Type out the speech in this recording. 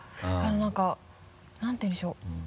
何か何て言うんでしょう。